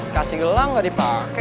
kasih gelang ga dipake